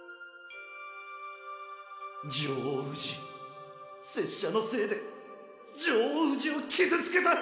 ジョー氏拙者のせいでジョー氏を傷つけた！